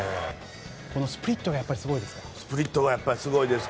このスプリットがすごいですか？